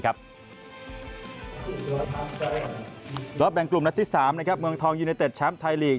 รอบแบ่งกลุ่มนัดที่๓เมืองทองยูเนเต็ดแชมป์ไทยลีก